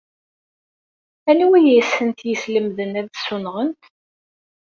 Anwa ay asent-yeslemden ad ssunɣent?